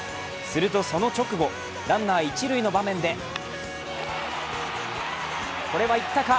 するとその直後、ランナー一塁の場面でこれはいったか？